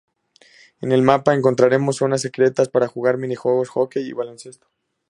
En el mapa encontraremos zonas secretas para jugar minijuegos: Hockey y Baloncesto.